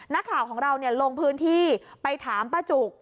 นักข่าวของเราลงพื้นที่ไปถามป้าจุก